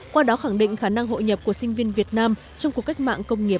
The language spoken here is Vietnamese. qua đó khẳng định khả năng hội nhập của sinh viên việt nam trong cuộc cách mạng công nghiệp bốn